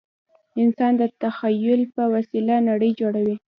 انسان د تخیل په وسیله نړۍ جوړوي.